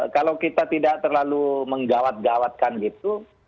kalau kita tidak terlalu menggawat gawatkan gitu